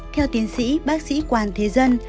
theo tiến sĩ bác sĩ quang thế dân